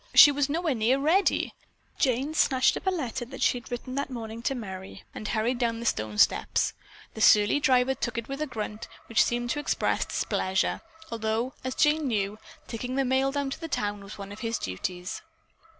She was nowhere near ready. Jane snatched up a letter that she had that morning written to Merry and hurried down the stone steps. The surly driver took it with a grunt which seemed to express displeasure, although, as Jane knew, taking the mail to town was one of his duties.